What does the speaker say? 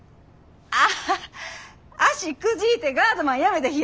ああ足くじいてガードマン辞めた日やな。